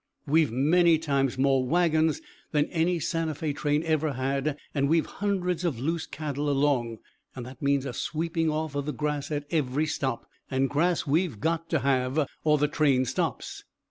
We've many times more wagons than any Santa Fé train ever had, and we've hundreds of loose cattle along. That means a sweeping off of the grass at every stop, and grass we've got to have or the train stops.